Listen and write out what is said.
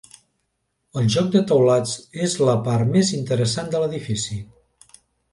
El joc de teulats és la part més interessant de l'edifici.